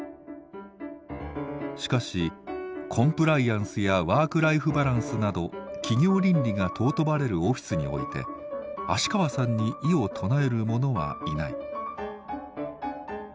しかしコンプライアンスやワークライフバランスなど企業倫理が尊ばれるオフィスにおいて芦川さんに異を唱える者はいない。